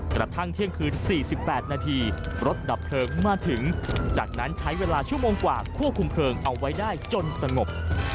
กระทั่งเที่ยงคืน๔๘นาทีรถดับเพลิงมาถึงจากนั้นใช้เวลาชั่วโมงกว่าควบคุมเพลิงเอาไว้ได้จนสงบ